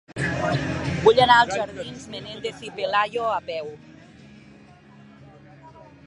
Vull anar als jardins de Menéndez y Pelayo a peu.